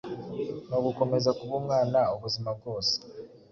ni ugukomeza kuba umwana ubuzima bwose!